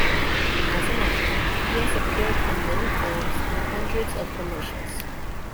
As an actor, he has appeared in many films and hundreds of commercials.